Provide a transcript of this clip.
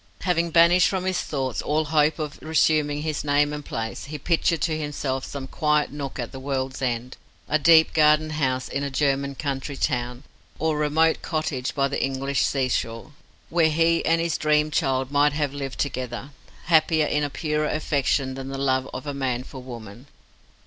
Having banished from his thoughts all hope of resuming his name and place, he pictured to himself some quiet nook at the world's end a deep gardened house in a German country town, or remote cottage by the English seashore, where he and his dream child might have lived together, happier in a purer affection than the love of man for woman.